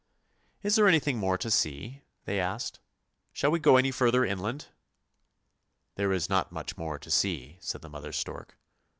" Is there anything more to see? " they asked; " shall we go any further inland? "" There is not much more to see," said the mother stork.